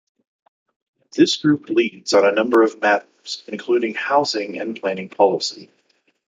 This group leads on a number of matters, including housing and planning policy.